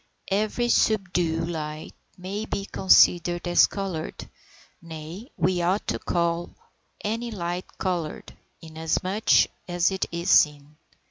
Every subdued light may be considered as coloured, nay, we ought to call any light coloured, inasmuch as it is seen.